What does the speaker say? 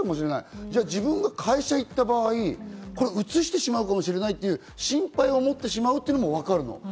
自分が会社行った場合、うつしてしまうかもしれないっていう心配を持ってしまうっていうのも分かるの。